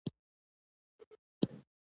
سپي د سترګو نه ورک نه شي.